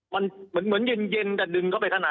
มันเหมือนเย็นแต่ดึงเข้าไปข้างใน